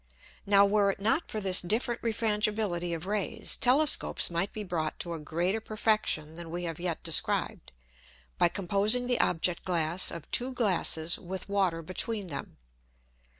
] Now were it not for this different Refrangibility of Rays, Telescopes might be brought to a greater perfection than we have yet describ'd, by composing the Object glass of two Glasses with Water between them.